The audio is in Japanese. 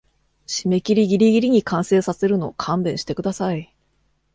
締切ギリギリに完成させるの勘弁してください